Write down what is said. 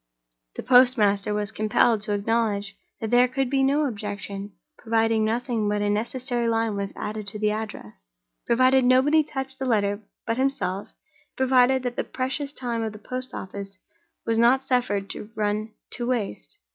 The postmaster was compelled to acknowledge that there could be no objection, provided nothing but a necessary line was added to the address, provided nobody touched the letter but himself, and provided the precious time of the post office was not suffered to run to waste.